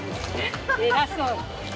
偉そう。